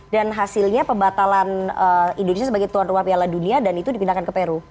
dan hasilnya pembatalan indonesia sebagai tuan rumah piala dunia dan itu dipindahkan ke peru